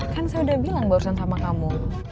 kan saya udah bilang barusan sama kamu